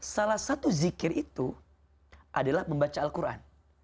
salah satu zikir itu adalah membaca al quran